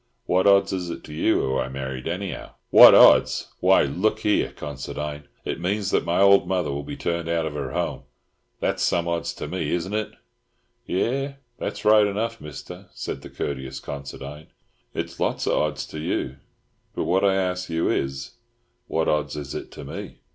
What odds is it to you who I married, anyhow?" "What odds? Why look here, Considine, it means that my old mother will be turned out of her home. That's some odds to me, isn't it?" "Yairs, that's right enough, Mister," said the courteous Considine; "it's lots of odds to you, but what I ask you is—what odds is it to me?